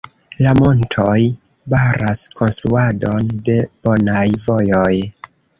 La montoj baras konstruadon de bonaj vojoj.